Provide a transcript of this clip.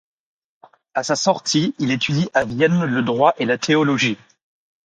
À sa sortie, il étudie à Vienne le droit et la théologie.